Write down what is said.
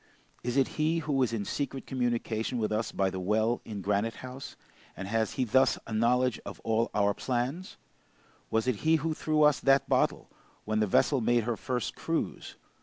Is it he who is in secret communication with us by the well in Granite House, and has he thus a knowledge of all our plans? Was it he who threw us that bottle, when the vessel made her first cruise?